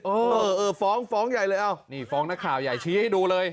เออเออฟ้องฟ้องใหญ่เลยอ้าวนี่ฟ้องนักข่าวใหญ่ชี้ให้ดูเลย